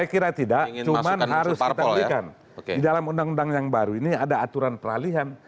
saya kira tidak cuma harus kita berikan di dalam undang undang yang baru ini ada aturan peralihan